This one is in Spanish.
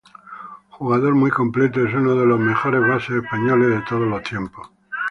Jugador muy completo, es uno de los mejores bases españoles de todos los tiempos.